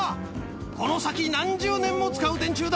この先何十年も使う電柱だ。